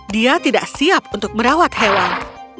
dia tidak siap untuk merawat hewan